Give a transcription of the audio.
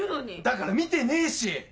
だから見てねえし！